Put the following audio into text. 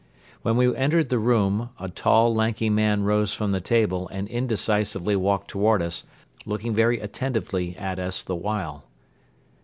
When we entered the room, a tall, lanky man rose from the table and indecisively walked toward us, looking very attentively at us the while.